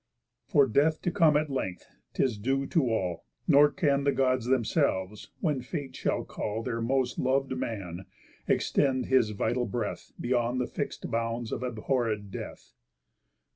For Death to come at length, 'tis due to all; Nor can the Gods themselves, when Fate shall call Their most lov'd man, extend his vital breath Beyond the fix'd bounds of abhorréd Death."